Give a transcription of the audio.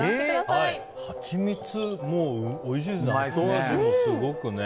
はちみつ、おいしいですもんね。